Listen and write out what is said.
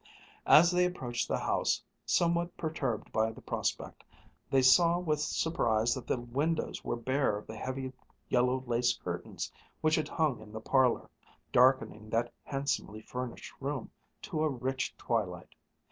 As they approached the house, somewhat perturbed by the prospect, they saw with surprise that the windows were bare of the heavy yellow lace curtains which had hung in the parlor, darkening that handsomely furnished room to a rich twilight.